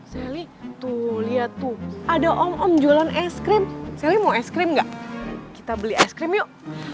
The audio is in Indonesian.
sally tuh lihat tuh ada om om jualan es krim sally mau es krim enggak kita beli es krim yuk